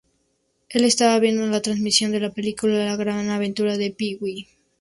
Él estaba viendo la transmisión de la película "La gran aventura de Pee-Wee".